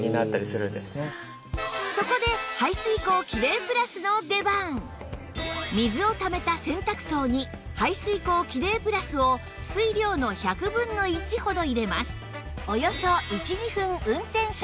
そこでそこで水をためた洗濯槽に排水口キレイプラスを水量の１００分の１ほど入れます